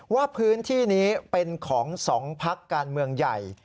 ว่าพื้นที่นี้เป็นของ๒พักการเมืองใหญ่